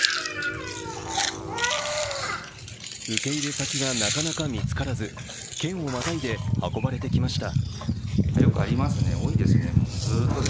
受け入れ先がなかなか見つからず県をまたいで運ばれてきました。